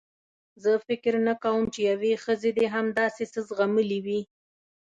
زه فکر نه کوم چې یوې ښځې دې هم داسې څه زغملي وي.